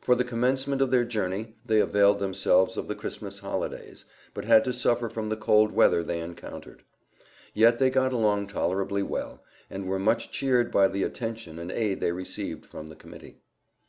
For the commencement of their journey they availed themselves of the Christmas holidays, but had to suffer from the cold weather they encountered. Yet they got along tolerably well, and were much cheered by the attention and aid they received from the Committee.